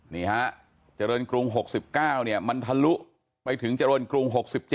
นี่ฮะเจริญกรุง๖๙เนี่ยมันทะลุไปถึงเจริญกรุง๖๗